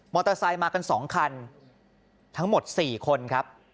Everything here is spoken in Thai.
มอเตอร์ไซค์มากันสองคันทั้งหมดสี่คนครับ